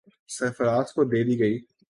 سرفراز کو دے دی گئی۔